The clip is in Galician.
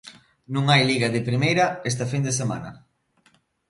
Non hai Liga de primeira esta fin de semana.